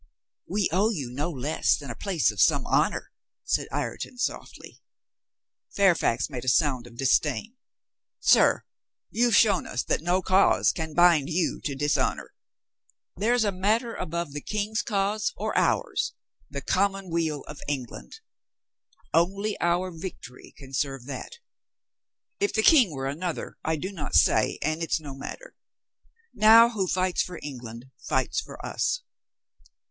"We owe you no less than a place of some honor," said Ireton softly. Fairfax made a sound of disdain. "Sir, you've shown us that no cause could bind you to dishonor. There's a matter above the King's cause or ours — the commonweal of England. Only our victory can serve that. If the King were another — I do not say, and it's no matter. Now who fights for England fights for us."